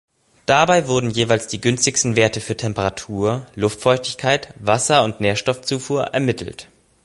Dabei wurden die jeweils günstigsten Werte für Temperatur, Luftfeuchtigkeit, Wasser- und Nährstoffzufuhr ermittelt.